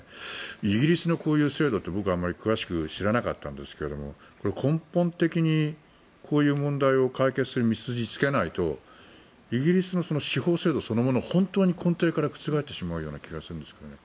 イギリスのこういう制度ってあまり詳しく知らなかったんですけど根本的にこういう問題を解決する道筋をつけないとイギリスの司法制度そのものが本当に根底から覆ってしまうような気がするんですけどね。